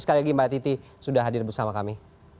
sekali lagi mbak titi sudah hadir bersama kami